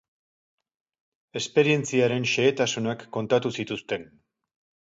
Esperientziaren xehetasunak kontatu zituzten.